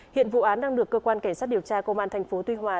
hiện vụ án đang được cơ quan cảnh sát điều tra công an tp tuy hòa